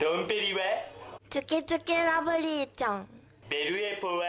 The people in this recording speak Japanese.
ベルエポは？